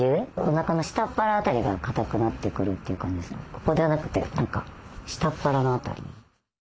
ここじゃなくて何か下っ腹の辺り。